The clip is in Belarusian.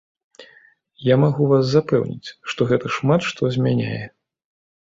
Я магу вас запэўніць, што гэта шмат што змяняе.